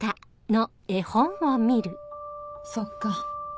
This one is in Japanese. そっか。